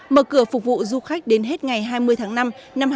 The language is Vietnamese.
mở cửa phục vụ du khách đến hết ngày hai mươi tháng năm năm hai nghìn hai mươi bốn